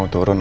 aku dan rina